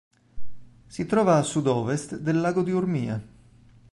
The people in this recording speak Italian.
Si trova a sud-ovest del lago di Urmia.